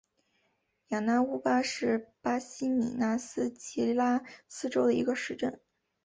雅纳乌巴是巴西米纳斯吉拉斯州的一个市镇。